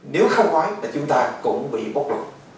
nếu không khói thì chúng ta cũng bị bốc lực